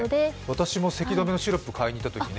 私もせき止めシロップを買いにいったときに